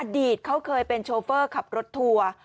ตเขาเคยเป็นโชเฟอร์ขับรถทัวร์